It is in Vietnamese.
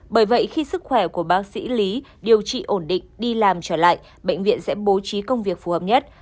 bởi vậy khi sức khỏe của bác sĩ lý điều trị ổn định đi làm trở lại bệnh viện sẽ bố trí công việc phù hợp nhất